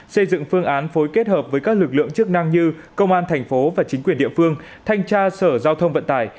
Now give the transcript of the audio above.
xây dựng phương án phối kết hợp với các lực lượng chức năng như công an thành phố và chính quyền địa phương thanh tra sở giao thông vận tải